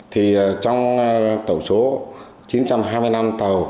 thì trong tổng số chín trăm hai mươi năm tàu